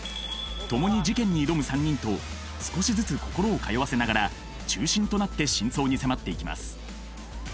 共に事件に挑む３人と少しずつ心を通わせながら中心となって真相に迫っていきます